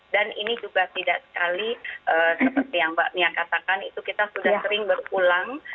dan ini juga tidak sekali seperti yang mbak mia katakan itu kita sudah sering berulang